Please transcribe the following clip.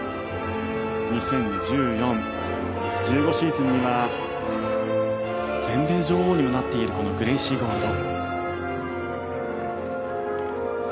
２０１４２０１５シーズンには全米女王にもなっているこのグレイシー・ゴールド。